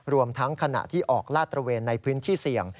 รวมทั้งขณะที่ออกลาดตระเวนในพื้นที่เสี่ยง